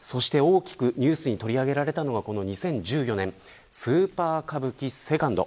そして大きくニュースに取り上げられたのはこの２０１４年スーパー歌舞伎ＩＩ。